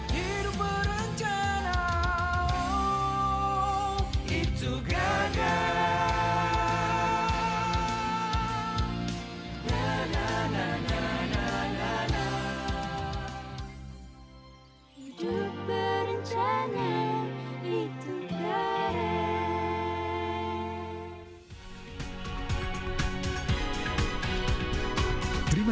hidup berencana itu keren